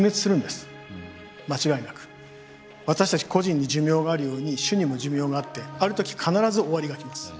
私たち個人に寿命があるように種にも寿命があってある時必ず終わりが来ます。